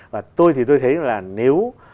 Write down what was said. và tôi thì tôi thấy là nếu